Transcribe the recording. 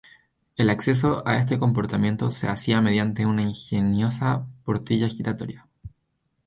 El acceso a este compartimiento se hacía mediante una ingeniosa portilla giratoria.